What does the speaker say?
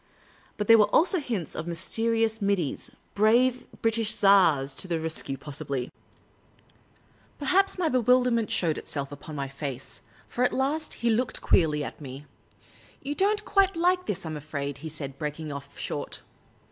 But there were also hints of mysterious middies — brave British tars to the re.s cue, possibly ! Perhaps my bewilderment showed itself upon my face, for at last he looked queerly at me. " You don't quite like this, I 'm afraid," he said, breaking off short.